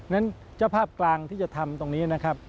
ฉะเจ้าภาพกลางที่จะทำตรงนี้นะครับ